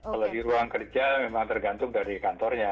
kalau di ruang kerja memang tergantung dari kantornya